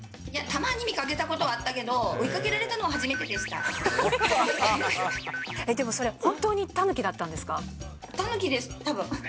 いや、たまに見かけたことはあったけど、追いかけられたのはでもそれ、タヌキです、たぶん。